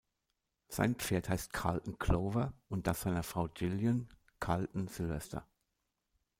Sein Pferd heißt "Calton Clover" und das seiner Frau Gillian "Calton Sylvester".